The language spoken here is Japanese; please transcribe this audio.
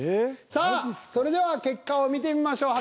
さあそれでは結果を見てみましょう。